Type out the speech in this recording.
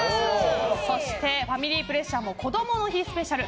そしてファミリープレッシャーもこどもの日スペシャル。